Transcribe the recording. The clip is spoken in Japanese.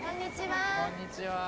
こんにちは。